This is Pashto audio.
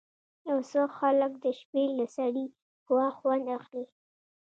یو څه خلک د شپې له سړې هوا خوند اخلي.